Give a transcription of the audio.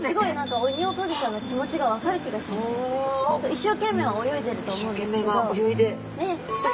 一生懸命泳いでると思うんですけどあっ